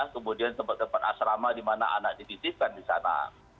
kemudian tempat tempat asrama dimana anak dititipkan di sana